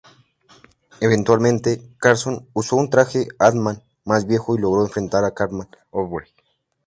Eventualmente, Carson usó un traje Ant-Man más viejo y logró enfrentar y capturar O'Grady.